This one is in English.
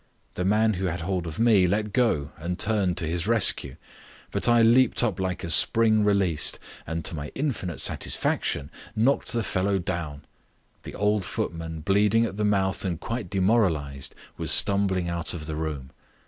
The man who had hold of me let go and turned to his rescue, but I leaped up like a spring released, and, to my infinite satisfaction, knocked the fellow down. The other footman, bleeding at the mouth and quite demoralized, was stumbling out of the room.